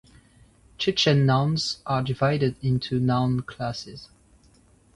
Chechen nouns are divided into noun classes.